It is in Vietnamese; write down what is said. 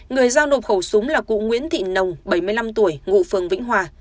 người giao nộp khẩu súng là cụ nguyễn thị nồng bảy mươi năm tuổi ngụ phường vĩnh hòa